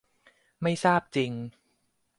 ไม่ทราบจริง